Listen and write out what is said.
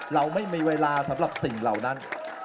เราไม่มีเวลาสำหรับสิ่งเหล่านั้น